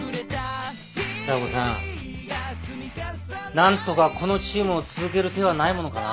何とかこのチームを続ける手はないものかな？